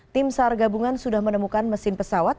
tim sar gabungan sudah menemukan mesin pesawat